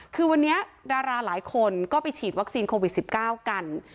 คือวันนี้ดาราหลายคนก็ไปฉีดวัคซีนโควิด๑๙กัน